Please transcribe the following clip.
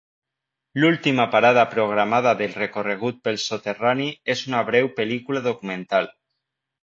L'última parada programada del recorregut pel soterrani és una breu pel·lícula documental.